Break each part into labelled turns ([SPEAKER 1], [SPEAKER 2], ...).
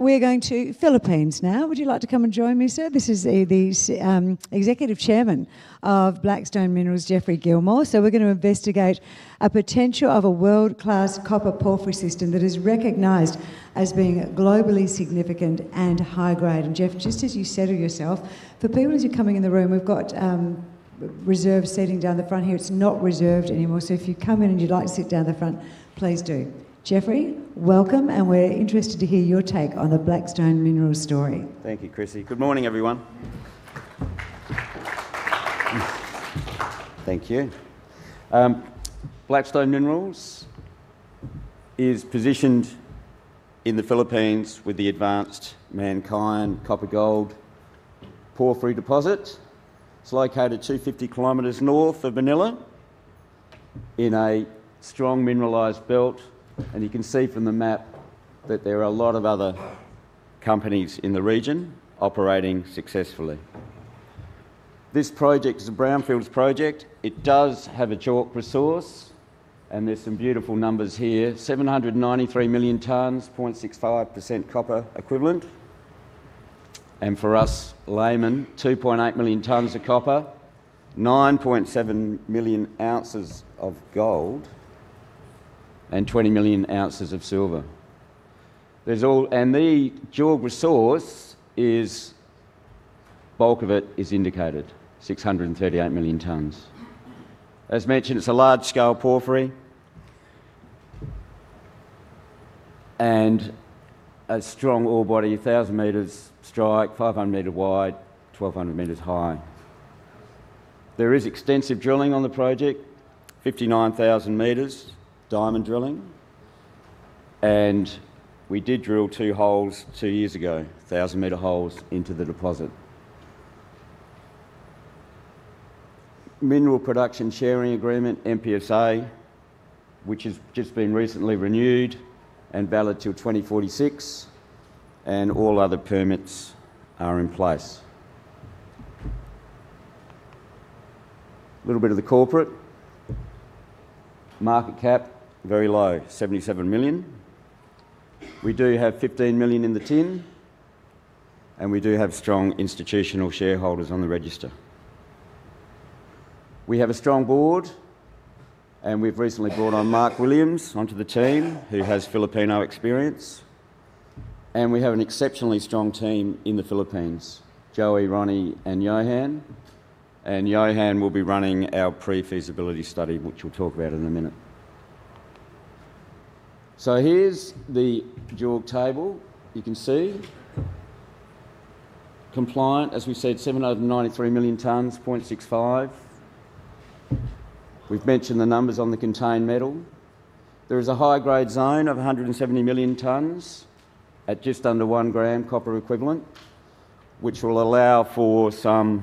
[SPEAKER 1] We're going to Philippines now. Would you like to come and join me, sir? This is the Executive Chairman of Blackstone Minerals, Geoff Gilmour. So we're going to investigate a potential of a world-class copper porphyry system that is recognized as being globally significant and high grade. And Geoff, just as you settle yourself, for people as you're coming in the room, we've got reserved seating down the front here. It's not reserved anymore, so if you come in and you'd like to sit down the front, please do. Geoff, welcome, and we're interested to hear your take on the Blackstone Minerals story.
[SPEAKER 2] Thank you, Chrissy. Good morning, everyone. Thank you. Blackstone Minerals is positioned in the Philippines with the advanced Mankayan copper-gold porphyry deposit. It's located 250 km north of Manila in a strong mineralized belt, and you can see from the map that there are a lot of other companies in the region operating successfully. This project is a brownfields project. It does have a JORC resource, and there's some beautiful numbers here, 793 million tons, 0.65% copper equivalent. And for us laymen, 2.8 million tons of copper, 9.7 million ounces of gold, and 20 million ounces of silver. There's all... And the JORC resource is, bulk of it is Indicated, 638 million tons. As mentioned, it's a large-scale porphyry, and a strong orebody, 1,000 meters strike, 500 meter wide, 1,200 meters high. There is extensive drilling on the project, 59,000 meters diamond drilling, and we did drill two holes two years ago, 1,000-meter holes into the deposit. Mineral Production Sharing Agreement, MPSA, which has just been recently renewed and valid till 2046, and all other permits are in place. Little bit of the corporate. Market cap, very low, 77 million. We do have 15 million in the tin, and we do have strong institutional shareholders on the register. We have a strong board, we've recently brought on Mark Williams onto the team, who has Filipino experience, and we have an exceptionally strong team in the Philippines, Joey, Ronnie, and Johann. Johann will be running our pre-feasibility study, which we'll talk about in a minute. So here's the JORC table. You can see, compliant, as we said, 793 million tons, 0.65. We've mentioned the numbers on the contained metal. There is a high-grade zone of 170 million tons at just under 1 gram copper equivalent, which will allow for some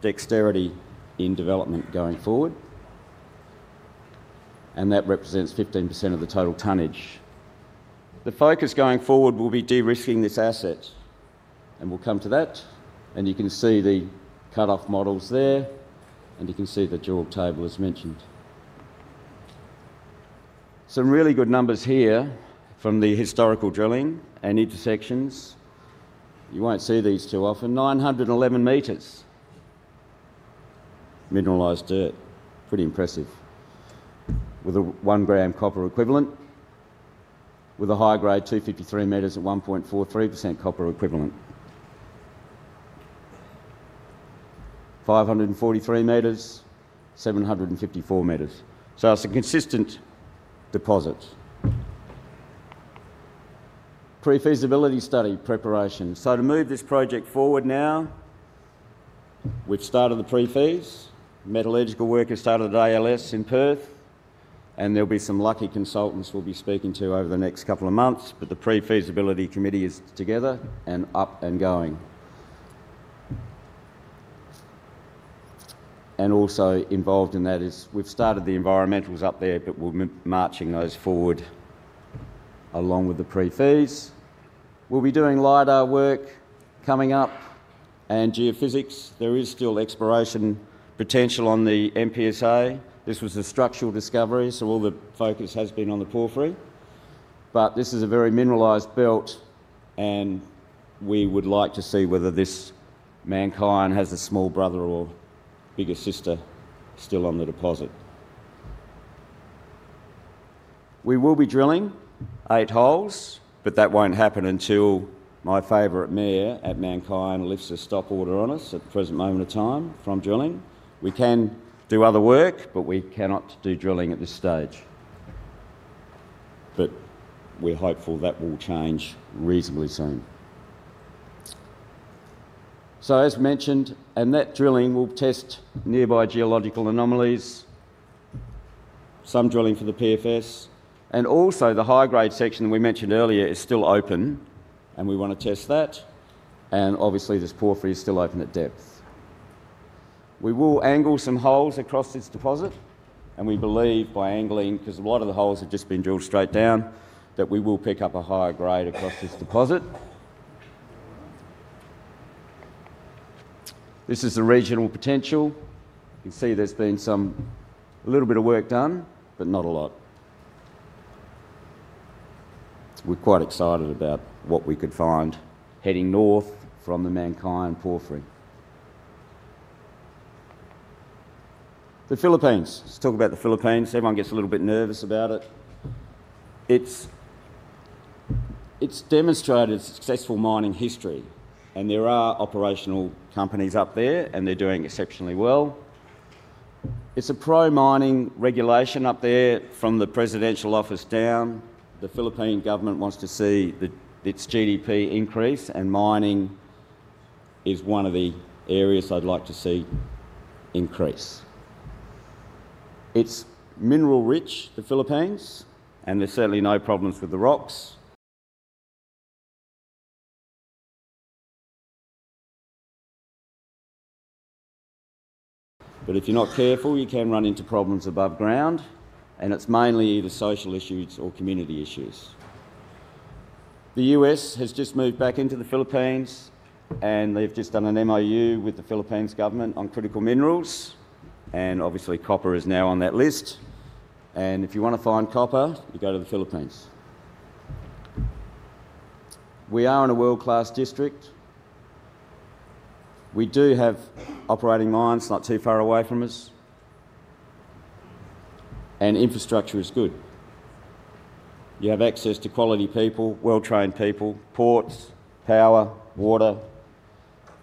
[SPEAKER 2] dexterity in development going forward, and that represents 15% of the total tonnage. The focus going forward will be de-risking this asset, and we'll come to that, and you can see the cut-off models there, and you can see the JORC table as mentioned. Some really good numbers here from the historical drilling and intersections. You won't see these too often. 911 meters mineralized dirt, pretty impressive, with a 1-gram copper equivalent, with a high grade, 253 meters at 1.43% copper equivalent. 543 meters, 754 meters. So it's a consistent deposit. Pre-feasibility study preparation. So to move this project forward now, we've started the pre-feas. Metallurgical work has started at ALS in Perth, and there'll be some lucky consultants we'll be speaking to over the next couple of months, but the pre-feasibility committee is together and up and going. And also involved in that is, we've started the environmentals up there, but we're marching those forward along with the pre-feas. We'll be doing LiDAR work coming up and geophysics. There is still exploration potential on the MPSA. This was a structural discovery, so all the focus has been on the porphyry, but this is a very mineralized belt, and we would like to see whether this Mankayan has a small brother or bigger sister still on the deposit. We will be drilling 8 holes, but that won't happen until my favorite mayor at Mankayan lifts a stop order on us at the present moment of time from drilling. We can do other work, but we cannot do drilling at this stage. But we're hopeful that will change reasonably soon. So as mentioned, and that drilling will test nearby geological anomalies, some drilling for the PFS, and also the high-grade section we mentioned earlier is still open, and we want to test that, and obviously, this porphyry is still open at depth. We will angle some holes across this deposit, and we believe by angling, because a lot of the holes have just been drilled straight down, that we will pick up a higher grade across this deposit.... This is the regional potential. You can see there's been some, a little bit of work done, but not a lot. We're quite excited about what we could find heading north from the Mankayan porphyry. The Philippines. Let's talk about the Philippines. Everyone gets a little bit nervous about it. It's demonstrated successful mining history, and there are operational companies up there, and they're doing exceptionally well. It's a pro-mining regulation up there from the Presidential Office down. The Philippine government wants to see its GDP increase, and mining is one of the areas they'd like to see increase. It's mineral rich, the Philippines, and there's certainly no problems with the rocks. But if you're not careful, you can run into problems above ground, and it's mainly the social issues or community issues. The U.S. has just moved back into the Philippines, and they've just done an MoU with the Philippines government on critical minerals, and obviously, copper is now on that list. And if you want to find copper, you go to the Philippines. We are in a world-class district. We do have operating mines not too far away from us, and infrastructure is good. You have access to quality people, well-trained people, ports, power, water,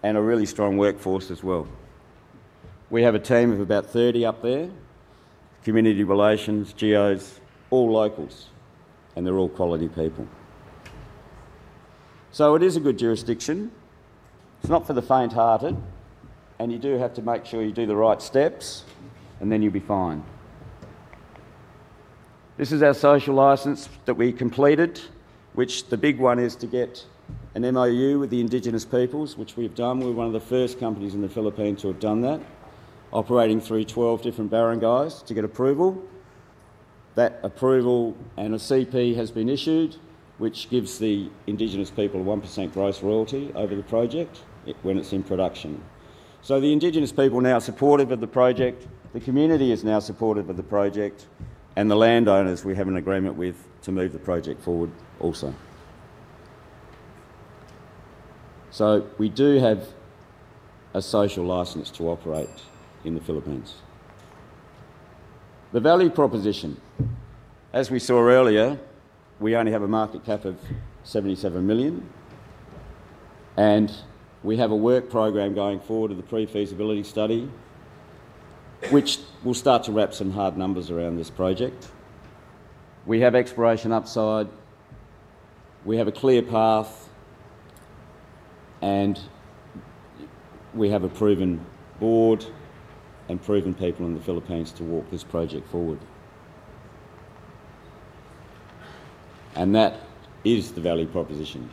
[SPEAKER 2] and a really strong workforce as well. We have a team of about 30 up there, community relations, geos, all locals, and they're all quality people. So it is a good jurisdiction. It's not for the faint-hearted, and you do have to make sure you do the right steps, and then you'll be fine. This is our social license that we completed, which the big one is to get an MoU with the Indigenous Peoples, which we've done. We're one of the first companies in the Philippines to have done that, operating through 12 different barangays to get approval. That approval and a CP has been issued, which gives the Indigenous People a 1% gross royalty over the project when it's in production. So the Indigenous People are now supportive of the project, the community is now supportive of the project, and the landowners, we have an agreement with to move the project forward also. So we do have a social license to operate in the Philippines. The value proposition. As we saw earlier, we only have a market cap of 77 million, and we have a work program going forward to the pre-feasibility study, which will start to wrap some hard numbers around this project. We have exploration upside, we have a clear path, and we have a proven board and proven people in the Philippines to walk this project forward. And that is the value proposition.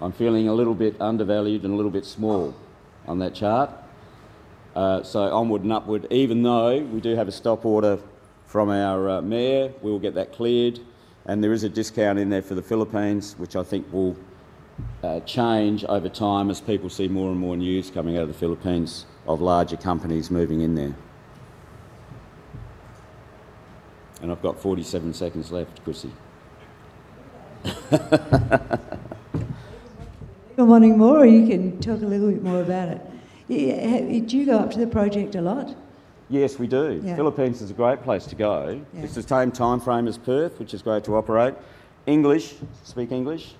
[SPEAKER 2] I'm feeling a little bit undervalued and a little bit small on that chart, so onward and upward. Even though we do have a stop order from our mayor, we will get that cleared, and there is a discount in there for the Philippines, which I think will change over time as people see more and more news coming out of the Philippines of larger companies moving in there. And I've got 47 seconds left, Chrissy.
[SPEAKER 1] People wanting more, or you can talk a little bit more about it. Do you go up to the project a lot?
[SPEAKER 2] Yes, we do.
[SPEAKER 1] Yeah.
[SPEAKER 2] Philippines is a great place to go.
[SPEAKER 1] Yeah.
[SPEAKER 2] It's the same time frame as Perth, which is great to operate. English, speak English,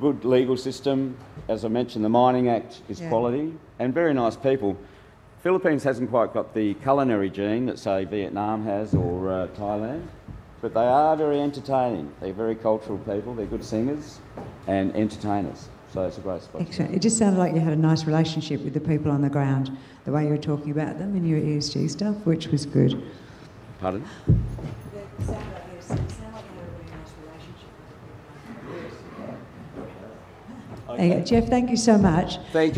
[SPEAKER 2] good legal system. As I mentioned, the Mining Act is quality, and very nice people. Philippines hasn't quite got the culinary gene that, say, Vietnam has or, Thailand, but they are very entertaining. They're very cultural people. They're good singers and entertainers, so it's a great spot.
[SPEAKER 1] Excellent. It just sounded like you had a nice relationship with the people on the ground, the way you were talking about them and your ESG stuff, which was good.
[SPEAKER 2] Pardon?
[SPEAKER 1] Yeah, it sounded like, it sounded like you had a very nice relationship with the people.
[SPEAKER 2] Yes, we are.
[SPEAKER 1] Okay, Geoff, thank you so much.
[SPEAKER 2] Thank you.